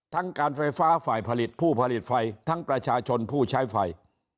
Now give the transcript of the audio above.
การไฟฟ้าฝ่ายผลิตผู้ผลิตไฟทั้งประชาชนผู้ใช้ไฟ